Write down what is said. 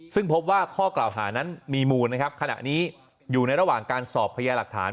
ซึ่งพบว่าข้อกล่าวหานั้นมีมูลนะครับขณะนี้อยู่ในระหว่างการสอบพยาหลักฐาน